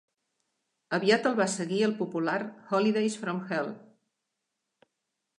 Aviat el va seguir el popular "Holidays from Hell".